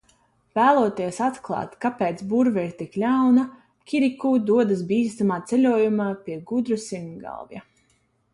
Vēloties atklāt, kāpēc burve ir tik ļauna, Kirikū dodas bīstamā ceļojumā pie gudra sirmgalvja.